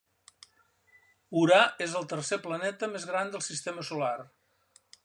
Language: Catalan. Urà és el tercer planeta més gran del sistema solar.